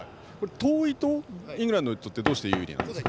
遠いとイングランドにとってどうして有利なんですか？